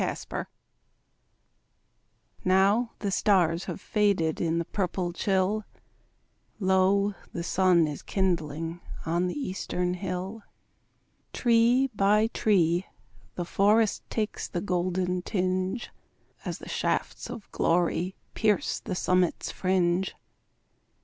At Sunrise Now the stars have faded In the purple chill, Lo, the sun is kindling On the eastern hill. Tree by tree the forest Takes the golden tinge, As the shafts of glory Pierce the summit's fringe.